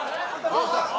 どうした？